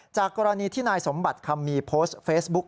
กรณีที่นายสมบัติคำมีโพสต์เฟซบุ๊ค